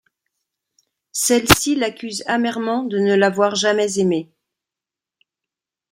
Celle-ci l'accuse amèrement de ne l'avoir jamais aimée.